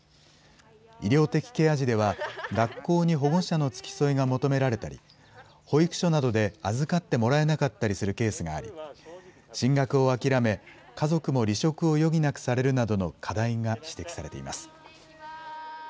医療的ケア児では、学校に保護者の付き添いが求められたり、保育所などで預かってもらえなかったりするケースがあり、進学を諦め、家族も離職を余儀なくされるなどの課題が指摘されています。